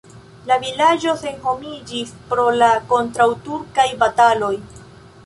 La vilaĝo senhomiĝis pro la kontraŭturkaj bataloj.